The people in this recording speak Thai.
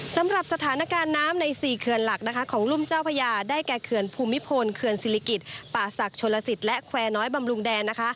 สำหรับสถานการณ์น้ำใน๔เขื่อนหลักของรุ่มเจ้าพญาได้แก่เขื่อนภูมิพลเขื่อนศิริกิจป่าศักดิ์ชนลสิทธิ์และแควร์น้อยบำรุงแดน